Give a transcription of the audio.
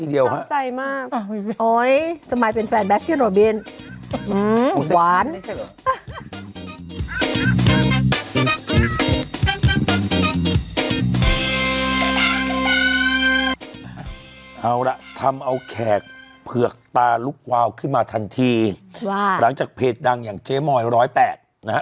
เอาล่ะทำเอาแขกเผือกตาลุกวาวขึ้นมาทันทีว่าหลังจากเพจดังอย่างเจ๊มอย๑๐๘นะฮะ